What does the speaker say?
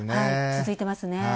続いてますね。